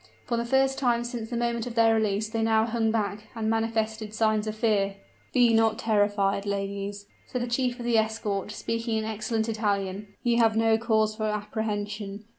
For the first time since the moment of their release they now hung back, and manifested signs of fear. "Be not terrified, ladies," said the chief of the escort, speaking in excellent Italian; "ye have no cause for apprehension!